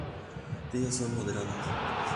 Las costillas son moderadas.